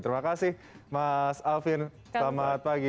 terima kasih mas alvin selamat pagi